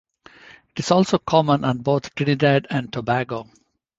It is also common on both Trinidad and Tobago.